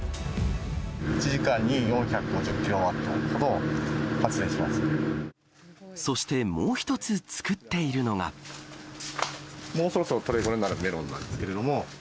１時間に４５０キロワットほそしてもう一つ作っているのもうそろそろ取れ頃になるメロンなんですけれども。